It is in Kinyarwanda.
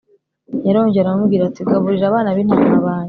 yarongeye aramubwira ati gaburira abana b intama banjye